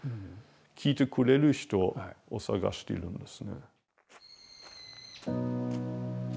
聞いてくれる人を探しているんですね。